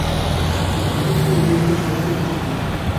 Interneten Windows erabiltzen du.